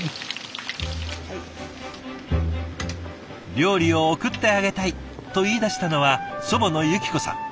「料理を送ってあげたい」と言いだしたのは祖母の由紀子さん。